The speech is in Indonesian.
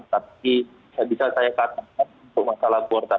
tapi bisa saya katakan itu masalah kuartal